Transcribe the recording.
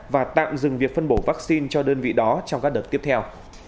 và tạm dừng việc phân bổ vaccine cho đơn vị đó trong các đợt tiếp theo